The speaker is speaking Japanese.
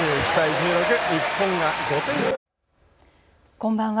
こんばんは。